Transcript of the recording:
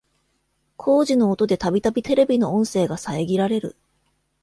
工事の音でたびたびテレビの音声が遮られる